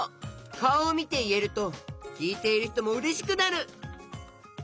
かおをみていえるときいているひともうれしくなる！